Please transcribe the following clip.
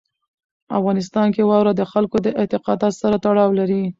افغانستان کې واوره د خلکو د اعتقاداتو سره تړاو لري.